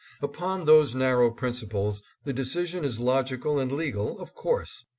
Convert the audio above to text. Upon those narrow prin ciples the decision is logical and legal of course.